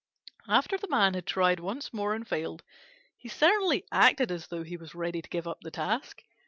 After the Man had tried once more and failed, he certainly acted as though he was ready to give up the task.